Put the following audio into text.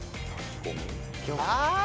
ああ！